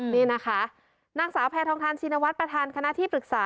นี่นะคะนางสาวแพทองทานชินวัฒน์ประธานคณะที่ปรึกษา